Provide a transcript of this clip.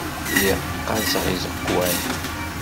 Lliɣ ɣɣazeɣ iẓekwan.